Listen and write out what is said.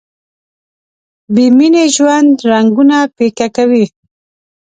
بې مینې ژوند رنګونه پیکه کوي.